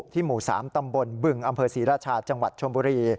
หมู่๓ตำบลบึงอำเภอศรีราชาจังหวัดชมบุรี